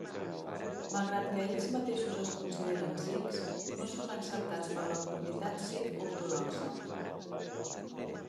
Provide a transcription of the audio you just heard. Malgrat que ells mateixos es consideren sikhs, no són acceptats per la comunitat sikh ortodoxa.